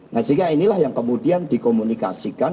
nah sehingga inilah yang kemudian dikomunikasikan